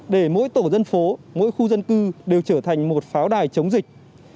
để mỗi tổ dân phố mỗi khu dân cư đều trở thành một pháo đài chống dịch